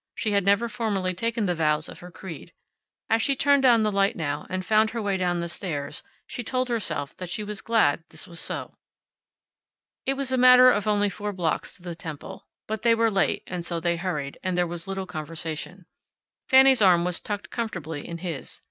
She had never formally taken the vows of her creed. As she turned down the light now, and found her way down the stairs, she told herself that she was glad this was so. It was a matter of only four blocks to the temple. But they were late, and so they hurried, and there was little conversation. Fanny's arm was tucked comfortably in his.